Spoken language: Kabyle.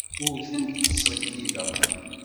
Ur tent-ttṣeyyideɣ.